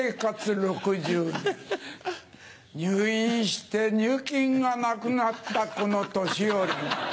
６０年入院して入金がなくなったこの年寄りに。